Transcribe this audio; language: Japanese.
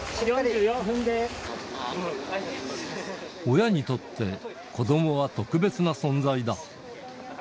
親にとって、子どもは特別な存在だ。